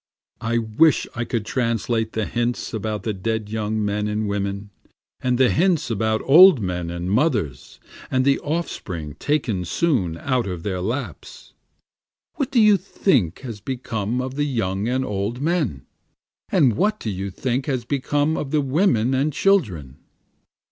I wish I could translate the hints about the dead young men and women, And the hints about old men and mothers, and the offspring taken soon out of their laps. What do you think has become of the young and old men? And what do you think has become of the women and children?